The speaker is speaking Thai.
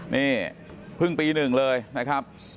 นี่เพิ่งปี๑เลยนะครับ